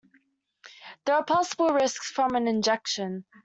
There are possible risks from an injection.